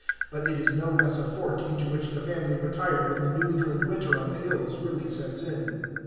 But it is no less a fort, into which the family retire when the New England winter on the hills really sets in.